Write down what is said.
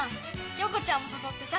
響子ちゃんも誘ってさ。